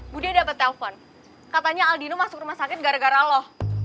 budi ada dapet telepon katanya aldino masuk rumah sakit gara gara lo